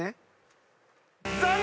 残念！